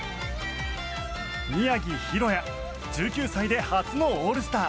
宮城大弥１９歳で初のオールスター。